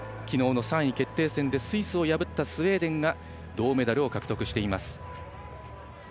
昨日の３位決定戦でスイスを破ったスウェーデンが銅メダルを獲得しています。